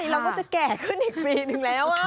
เราก็จะแก่ขึ้นอีกปีนึงแล้ว